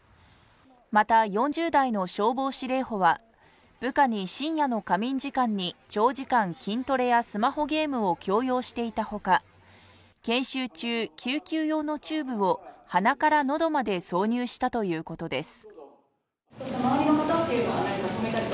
また、４０代の消防司令補は部下に深夜の仮眠時間に長時間、筋トレやスマホゲームを強要していたほか研修中、救急用のチューブを鼻から喉まで挿入したということです。